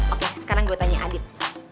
oke sekarang gue tanya adit